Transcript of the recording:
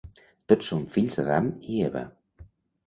Tots som fills d'Adam i Eva.